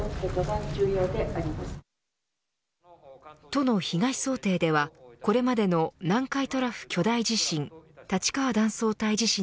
都の被害想定ではこれまでの南海トラフ巨大地震